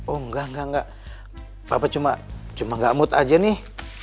oh enggak enggak enggak papa cuma cuma gak mood aja nih